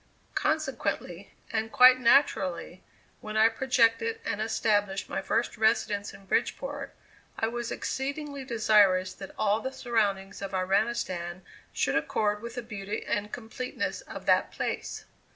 Consequently, and quite naturally, when I projected and established my first residence in Bridgeport, I was exceedingly desirous that all the surroundings of Iranistan should accord with the beauty and completeness of that place.